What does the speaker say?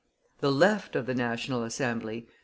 The Left of the National Assembly, _i.